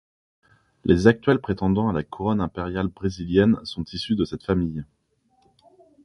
Les actuels prétendants à la Couronne impériale brésilienne sont issus de cette famille.